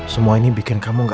semua ini bikin kamu gak